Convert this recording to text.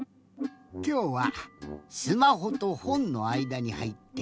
きょうはスマホとほんのあいだにはいってみました。